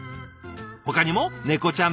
ほかにもネコちゃん